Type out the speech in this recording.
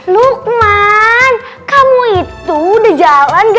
lukman kamu itu udah jalan